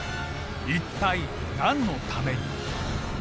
一体何のために？